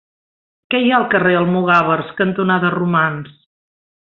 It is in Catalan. Què hi ha al carrer Almogàvers cantonada Romans?